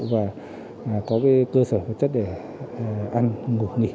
và có cơ sở vật chất để ăn ngủ nghỉ